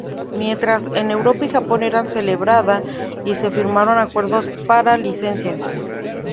Mientras, en Europa y Japón era celebrada, y se firmaron acuerdos para licencias.